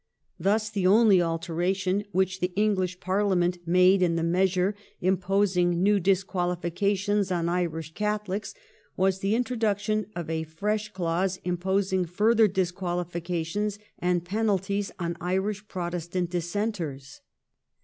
Thus the only alteration which the English Parliament made in the measure imposing new disquahfications on Irish Catholics was the introduction of a fresh clause imposing further disqualifications and penalties on Irish Protestant dissenters.